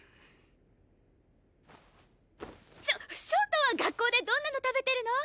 しょ焦凍は学校でどんなの食べてるの？